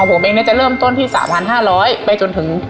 ของผมเองเนี้ยจะเริ่มต้นที่สามพันห้าร้อยไปจนถึง